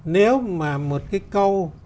nếu mà một cái câu